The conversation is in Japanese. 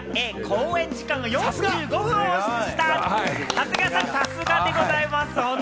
長谷川さん、さすがでございます。